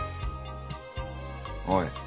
おい。